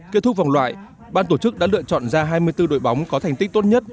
kết thúc vòng loại ban tổ chức đã lựa chọn ra hai mươi bốn đội bóng có thành tích tốt nhất